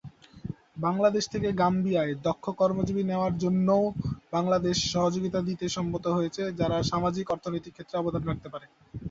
বাংলাদেশ থেকে গাম্বিয়ায় দক্ষ কর্মজীবী নেওয়ার জন্যেও বাংলাদেশ সহযোগিতা দিতে সম্মত হয়েছে, যারা সামাজিক-অর্থনৈতিক ক্ষেত্রে অবদান রাখতে পারে।